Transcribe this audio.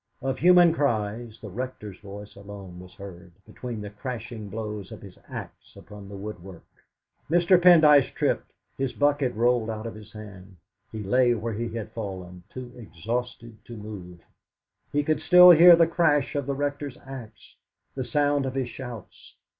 Of human cries, the Rector's voice alone was heard, between the crashing blows of his axe upon the woodwork. Mr. Pendyce tripped; his bucket rolled out of his hand; he lay where he had fallen, too exhausted to move. He could still hear the crash of the Rector's axe, the sound of his shouts.